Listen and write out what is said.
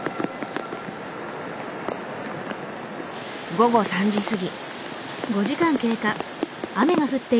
午後３時過ぎ。